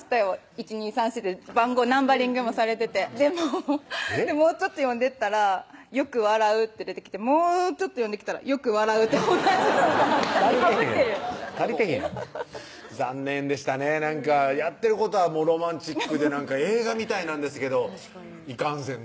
１・２・３・４ってナンバリングもされててでもちょっと読んでったら「よく笑う」って出てきてもうちょっと読んできたら「よく笑う」って同じのがあったりかぶってる足りてへんやん残念でしたねなんかやってることはロマンチックで映画みたいなんですけどいかんせん